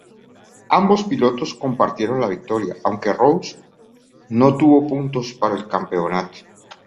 Ambos pilotos compartieron la victoria, aunque Rose no obtuvo puntos para el campeonato.